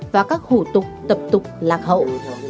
và các hủ tục tập tục lạc hậu